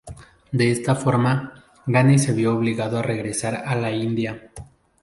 De esta forma, Ghani se vio obligado a regresar a la India.